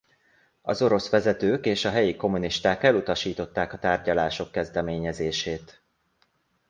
Az orosz vezetők és a helyi kommunisták elutasították a tárgyalások kezdeményezését.